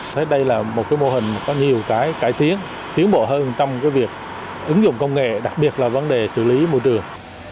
thế đây là một cái mô hình có nhiều cái cải tiến tiến bộ hơn trong cái việc ứng dụng công nghệ đặc biệt là vấn đề xử lý môi trường